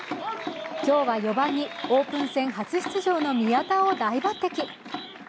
今日は４番にオープン戦初出場の宮田を大抜てき。